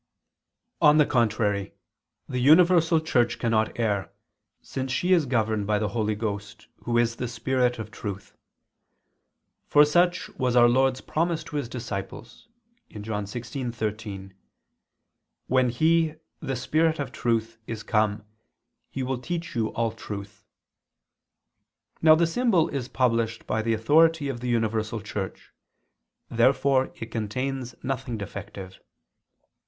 On the contrary, The universal Church cannot err, since she is governed by the Holy Ghost, Who is the Spirit of truth: for such was Our Lord's promise to His disciples (John 16:13): "When He, the Spirit of truth, is come, He will teach you all truth." Now the symbol is published by the authority of the universal Church. Therefore it contains nothing defective.